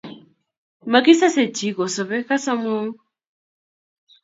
Makisase chi kosabe kas amwaun